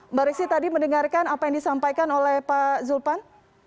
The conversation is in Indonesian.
mbak rizky tadi mendengarkan apa yang disampaikan oleh pak zulpan